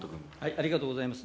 ありがとうございます。